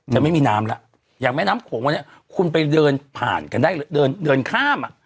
จะไม่มีน้ำแล้วอย่างแม่น้ำโขงวันนี้คุณไปเดินผ่านกันได้เลยเดินเดินข้ามอ่ะ